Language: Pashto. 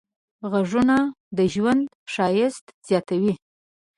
غږونه د ژوند ښایست زیاتوي.